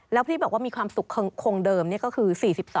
แล้วพี่บอกว่ามีความสุขคงเดิมนี่ก็คือ๔๒